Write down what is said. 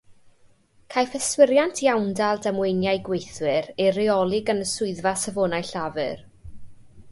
Caiff yswiriant iawndal damweiniau gweithwyr ei reoli gan y Swyddfa Safonau Llafur.